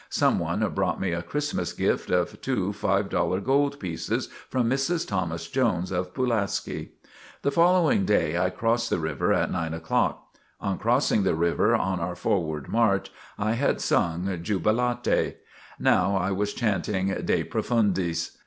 Some one brought me a Christmas gift of two five dollar gold pieces from Mrs. Thomas Jones of Pulaski. The following day I crossed the river at nine o'clock. On crossing the river on our forward march, I had sung "Jubilate." Now I was chanting "De Profundis."